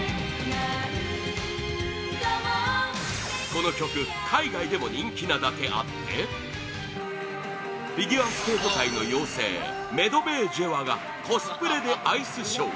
この曲、海外でも人気なだけあってフィギュアスケート界の妖精メドベージェワがコスプレでアイスショー